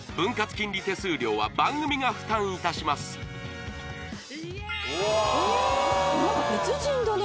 金利手数料は番組が負担いたします別人だね